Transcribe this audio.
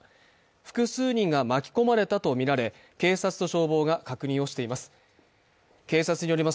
複数人が巻き込まれたとみられ警察と消防が確認をしています。